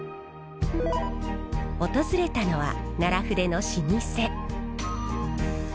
訪れたのは奈良筆の老舗。